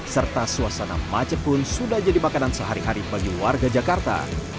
serta suasana macet pun sudah jadi makanan sehari hari bagi warga jakarta